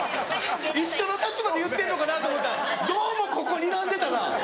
一緒の立場で言ってるのかなと思ったらどうもここにらんでたな！